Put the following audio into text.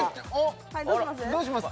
どうします？